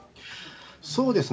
そうですね。